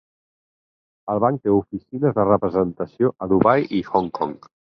El banc té oficines de representació a Dubai i Hong Kong.